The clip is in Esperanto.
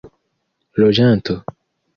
loĝanto